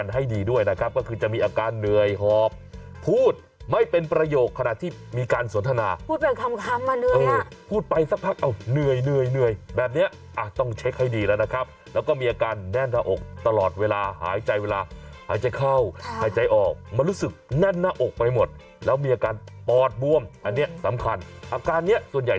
ให้ดีด้วยนะครับก็คือจะมีอาการเหนื่อยหอบพูดไม่เป็นประโยคขณะที่มีการสนทนาพูดเป็นคำมาเหนื่อยพูดไปสักพักเอาเหนื่อยเหนื่อยแบบนี้ต้องเช็คให้ดีแล้วนะครับแล้วก็มีอาการแน่นหน้าอกตลอดเวลาหายใจเวลาหายใจเข้าหายใจออกมันรู้สึกแน่นหน้าอกไปหมดแล้วมีอาการปอดบวมอันนี้สำคัญอาการนี้ส่วนใหญ่